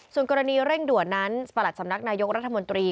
ส่วนกรณีเร่งด่วนนั้นประหลัดสำนักนายกรัฐมนตรี